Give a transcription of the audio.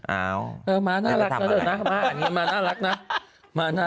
เอามาน่ารักนะเถอะนะม้าอันนี้ม้าน่ารักนะ